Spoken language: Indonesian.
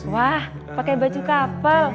wah pakai baju kapel